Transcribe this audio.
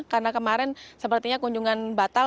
karena kemarin sepertinya kunjungan batal